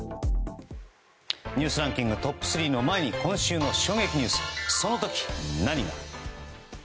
ニュースランキングトップ３の前に今週の衝撃ニュースその時何が。